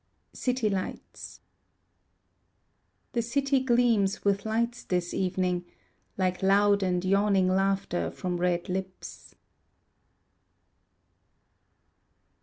City Lights The city gleams with lights this evening Like loud and yawning laughter from red lips.